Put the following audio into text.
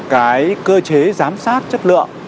cái cơ chế giám sát chất lượng